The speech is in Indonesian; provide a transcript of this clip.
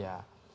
ya pengaruh pak